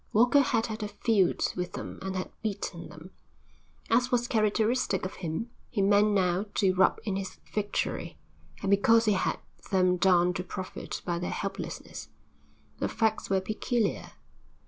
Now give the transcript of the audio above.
Walker had had a feud with them and had beaten them. As was characteristic of him he meant now to rub in his victory, and because he had them down to profit by their helplessness. The facts were peculiar.